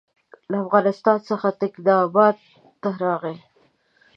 له افغانستان څخه تکیناباد ته راغی.